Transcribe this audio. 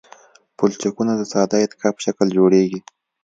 پلچکونه د ساده اتکا په شکل جوړیږي